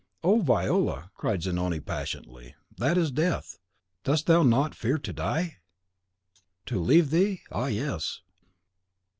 "Oh, Viola!" cried Zanoni, passionately, "that is death. Dost thou not fear to die?" "To leave thee? Ah, yes!"